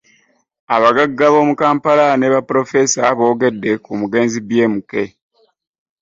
Abagagga b'omu Kampala ne ba ppulofeesa boogedde ku mugenzi BMK